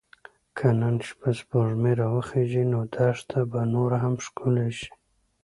که نن شپه سپوږمۍ راوخیژي نو دښته به نوره هم ښکلې شي.